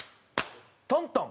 トントン。